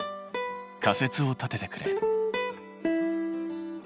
仮説を立ててくれ。